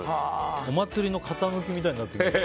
お祭りの形抜きみたいになっている。